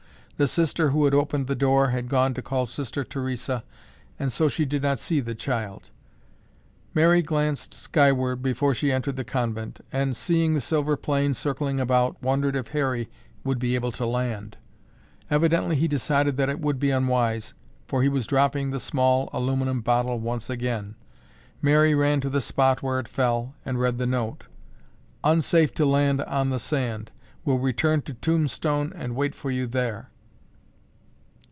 The sister who had opened the door had gone to call Sister Theresa and so she did not see the child. Mary glanced skyward before she entered the convent and, seeing the silver plane circling about, wondered if Harry would be able to land. Evidently he decided that it would be unwise, for he was dropping the small aluminum bottle once again. Mary ran to the spot where it fell and read the note. "Unsafe to land on the sand. Will return to Tombstone and wait for you there."